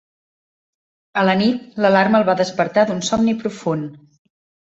A la nit, l'alarma el va despertar d'un somni profund.